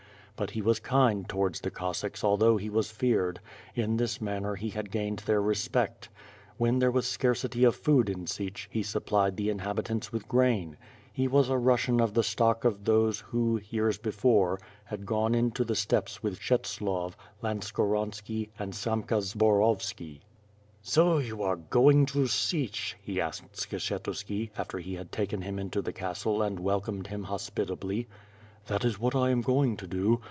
But he was kind towards the Cos sacks although he was feared; in this manner he had gained their respect. When there was scarcity of food in Sich he supplied the inhabitants with grain. He was a Russian of the stock of those who, years before had gone into the steppes with Pshetslav, Landskoronski and Samka Zborovski. "So you are going to Sich?" he asked Skshetuski, after he had taken him into the castle, and welcomed him hospitably. "That is what I am going to do.